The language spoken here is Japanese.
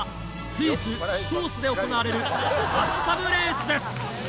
スイスシュトースで行われるバスタブレースです！